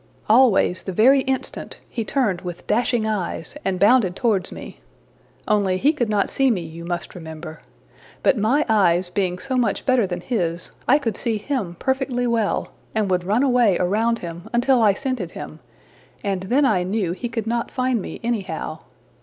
'' ``Always, the very instant, he turned with dashing eyes, and bounded towards me only he could not see me, you must remember. But my eyes being so much better than his, I could see him perfectly well, and would run away around him until I scented him, and then I knew he could not find me anyhow.